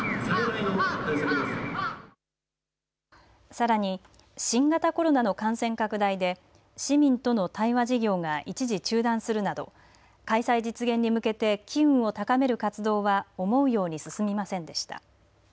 さらに新型コロナの感染拡大で市民との対話事業が一時中断するなど開催実現に向けて機運を高める活動は思うように進みませんでした。